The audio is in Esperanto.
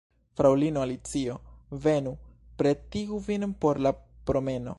Fraŭlino Alicio, venu, pretigu vin por la promeno.